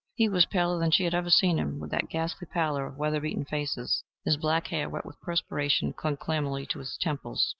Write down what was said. He was paler than she had ever seen him, with that ghastly pallor of weather beaten faces. His black hair, wet with perspiration, clung clammily to his temples.